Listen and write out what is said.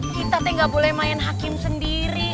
ih kita teh enggak boleh main hakim sendiri